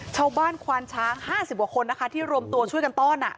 ชาวบ้านควานช้าง๕๐กว่าคนนะคะที่รวมตัวช่วยกันต้อน